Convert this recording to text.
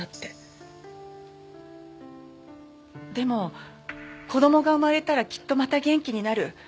でも子供が生まれたらきっとまた元気になる。